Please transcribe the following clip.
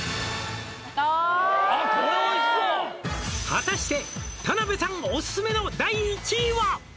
「果たして田辺さんオススメの第１位は？」